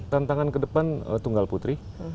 tantangan ke depan tunggal putri